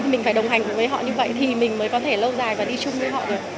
mình phải đồng hành cùng với họ như vậy thì mình mới có thể lâu dài và đi chung với họ được